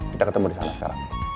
kita ketemu disana sekarang